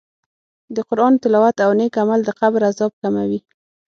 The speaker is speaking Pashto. د قرآن تلاوت او نېک عمل د قبر عذاب کموي.